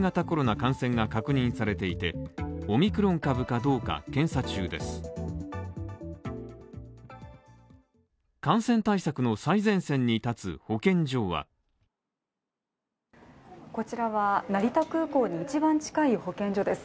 感染対策の最前線に立つ保健所はこちらは成田空港に一番近い保健所です。